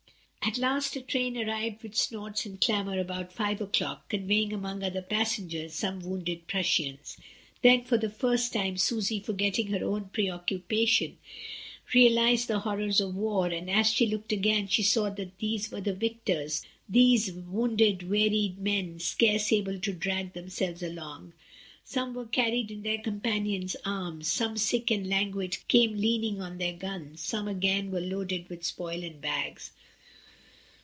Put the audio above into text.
At last a train arrived with snorts and clamour about five o'clock, conveying among other passengers some wounded Prussians. Then for the first time, Susy, forgetting her own preoccupation, tealised the horrors of war; and as she looked again she saw that these were the victors, these wounded, wearied men, scarce able to drag themselves along. Some were carried in their companions' arms, some sick and languid came leaning on their guns, some again were loaded with spoil and bags.